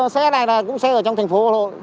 xe này là cũng xe ở trong thành phố hồ hội